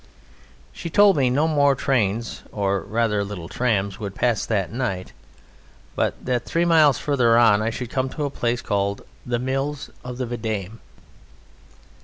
She told me no more trains, or rather little trams, would pass that night, but that three miles further on I should come to a place called "The Mills of the Vidame."